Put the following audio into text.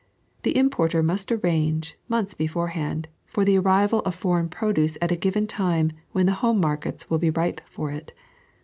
The importer must arrange, months beforehand, for the arrival of foreign produce at a given time when the home markets will be ripe for it.